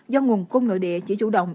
do nguồn cung nội địa chỉ chủ động